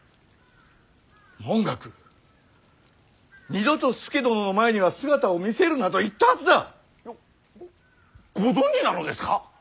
文覚二度と佐殿の前には姿を見せるなと言ったはずだ！ごご存じなのですか！？